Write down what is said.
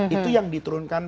itu yang diturunkan